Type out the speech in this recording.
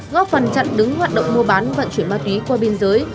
góp phần chặn đứng hoạt động mua bán vận chuyển ma túy qua biên giới